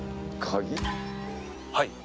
はい。